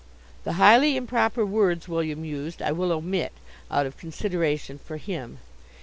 The highly improper words William used I will omit, out of consideration for him.